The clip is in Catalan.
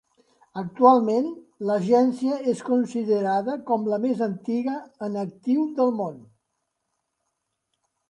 Actualment, l'agència és considerada com la més antiga en actiu del món.